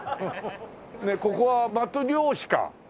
ここはマトリョーシカ？